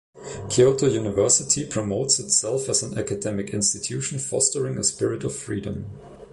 Kyoto University promotes itself as an academic institution fostering a spirit of freedom.